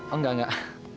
oh enggak enggak